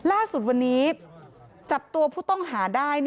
ล่าสุดวันนี้จับตัวผู้ต้องหาได้